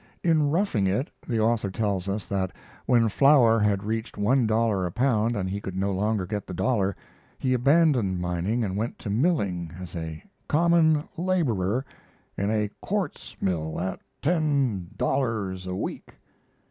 In 'Roughing It' the author tells us that, when flour had reached one dollar a pound and he could no longer get the dollar, he abandoned mining and went to milling "as a common laborer in a quartz mill at ten dollars a week."